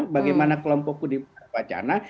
bagaimana kelompokku di pusat wacana